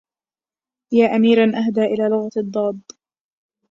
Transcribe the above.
يا أميرا أهدى إلى لغة الضاد